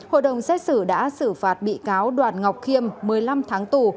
hội đồng xét xử đã xử phạt bị cáo đoàn ngọc khiêm một mươi năm tháng tù